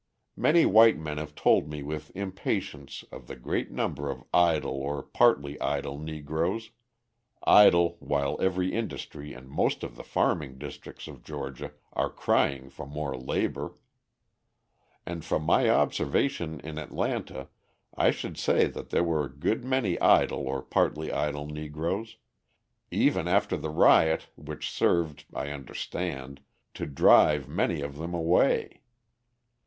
Many white men have told me with impatience of the great number of idle or partly idle Negroes idle while every industry and most of the farming districts of Georgia are crying for more labour. And from my observation in Atlanta, I should say that there were good many idle or partly idle Negroes even after the riot, which served, I understand, to drive many of them away.